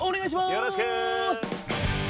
よろしくお願いします